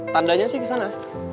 tandanya sih kesana